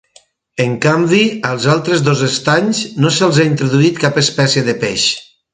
En canvi als altres dos estanys no se'ls ha introduït cap espècie de peix.